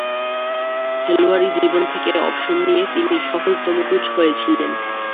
খেলোয়াড়ি জীবন থেকে অবসর নিয়ে তিনি সফলতম কোচ হয়েছিলেন।